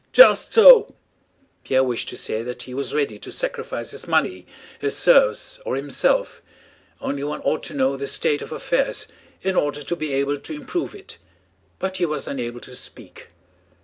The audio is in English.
Just so!" Pierre wished to say that he was ready to sacrifice his money, his serfs, or himself, only one ought to know the state of affairs in order to be able to improve it, but he was unable to speak.